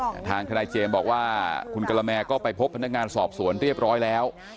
แต่ทางทนายเจมส์บอกว่าคุณกะละแมก็ไปพบพนักงานสอบสวนเรียบร้อยแล้ว